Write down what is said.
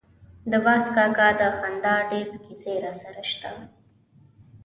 د باز کاکا د خندا ډېرې کیسې راسره شته.